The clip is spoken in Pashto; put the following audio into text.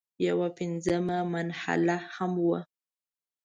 یوه پنځمه محله هم وه.